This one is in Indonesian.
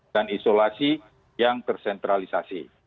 dan isolasi yang tersentralisasi